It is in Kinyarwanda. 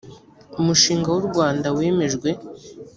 umushinga w u rwanda wemejwe